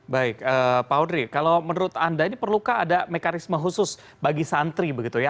baik pak audrey kalau menurut anda ini perlukah ada mekanisme khusus bagi santri begitu ya